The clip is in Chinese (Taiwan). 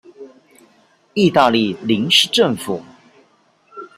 義大利臨時政府